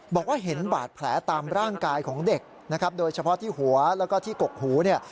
บอกว่าเห็นบาดแผลตามร่างกายของเด็กนะครับโดยเฉพาะที่หัวแล้วก็ที่กกหูเนี่ย